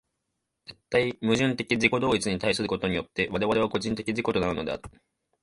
絶対矛盾的自己同一に対することによって我々は個人的自己となるのである。